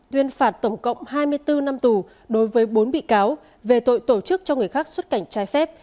tuyên phạt tổng cộng hai mươi bốn năm tù đối với bốn bị cáo về tội tổ chức cho người khác xuất cảnh trái phép